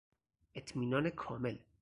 اطمینان کامل